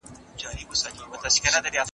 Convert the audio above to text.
په ټولنه کې ګډوډي نه ده.